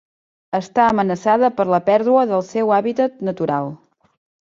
Està amenaçada per la pèrdua del seu hàbitat natural.